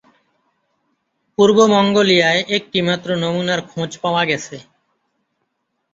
পূর্ব মঙ্গোলিয়ায় একটি মাত্র নমুনার খোঁজ পাওয়া গেছে।